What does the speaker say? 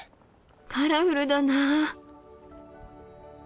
カラフルだなあ。